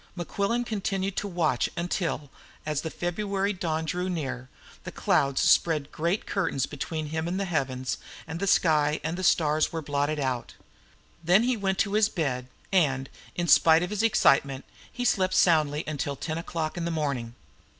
Mequillen continued to watch until, as the February dawn drew near, the clouds spread great curtains between him and the heavens, and sky and stars were blotted out. Then he went to his bed, and, in spite of his excitement, he slept soundly until ten o'clock in the morning.